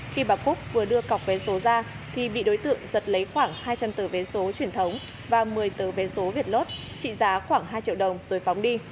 khi bà cúc vừa đưa cọc vé số ra thì bị đối tượng giật lấy khoảng hai trăm linh tờ vé số chuyển thẳng